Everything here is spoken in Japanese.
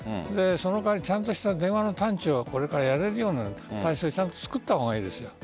その代わりちゃんとした電話の探知をこれからやれるように体制を作ったほうがいいですよ。